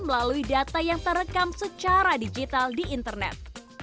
melalui data yang terekam secara digital di internet